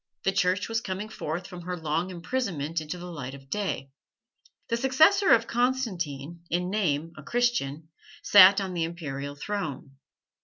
The Church was coming forth from her long imprisonment into the light of day. The successor of Constantine, in name a Christian, sat on the Imperial throne.